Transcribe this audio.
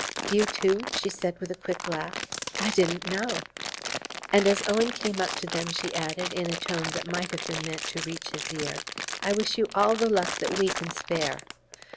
"You, too?" she said with a quick laugh. "I didn't know " And as Owen came up to them she added, in a tone that might have been meant to reach his ear: "I wish you all the luck that we can spare!"